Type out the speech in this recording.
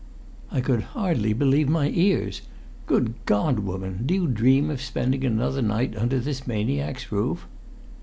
I could hardly believe my ears. "Good God, woman! Do you dream of spending another night under this maniac's roof?"